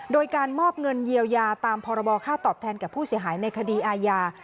โดยการมอบเงินเยียวยาตามพรบค่าตอบแทนกับผู้เสียหายในคดีอาญา